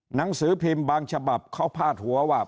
หนังสือพิมพ์บางฉบับเขาพาดหัวว่า